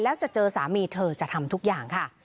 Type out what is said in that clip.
แล้วจะเจอสามีเธอจะทำทุกอย่างค่ะ